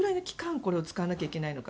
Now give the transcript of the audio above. これを使わないといけないのか。